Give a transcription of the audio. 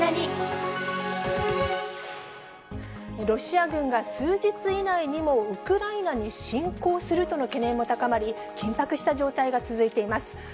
ロシア軍が数日以内にもウクライナに侵攻するとの懸念が高まり、緊迫した状態が続いています。